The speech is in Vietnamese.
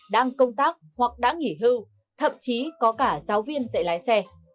đang công tác hoặc đã nghỉ hưu thậm chí có cả giáo viên dạy lái xe